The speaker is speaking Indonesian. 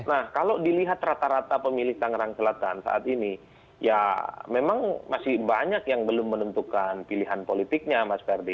nah kalau dilihat rata rata pemilih tangerang selatan saat ini ya memang masih banyak yang belum menentukan pilihan politiknya mas ferdi